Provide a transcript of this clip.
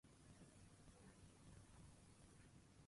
いよいよ天城峠が近づいたと思うころ